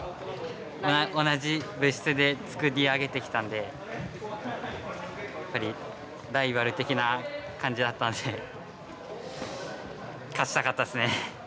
同じ部室で作り上げてきたんでやっぱりライバル的な感じだったので勝ちたかったですね。